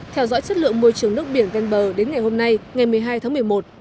theo dõi chất lượng môi trường nước biển ven bờ đến ngày hôm nay ngày một mươi hai tháng một mươi một